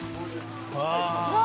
うわ。